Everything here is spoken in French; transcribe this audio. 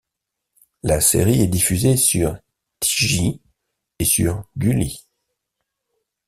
La série est diffusée sur TiJi et sur Gulli.